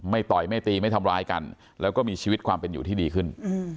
ต่อยไม่ตีไม่ทำร้ายกันแล้วก็มีชีวิตความเป็นอยู่ที่ดีขึ้น